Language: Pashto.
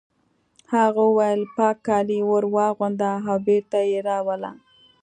هغه وویل پاک کالي ور واغونده او بېرته یې راوله